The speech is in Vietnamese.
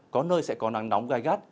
có nơi sẽ có nắng nóng gai gắt